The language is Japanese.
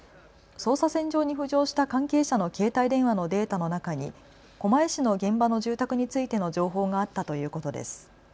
捜査線上に浮上した関係者の携帯電話のデータの中に狛江市の現場の住宅についての情報があったということです。